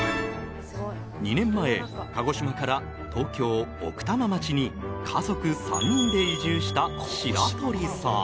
２年前鹿児島から。に家族３人で移住した白鳥さん。